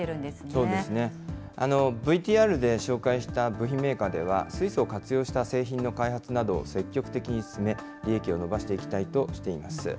そうですね、ＶＴＲで紹介した部品メーカーでは、水素を活用した製品の開発などを積極的に進め、利益を伸ばしていきたいとしています。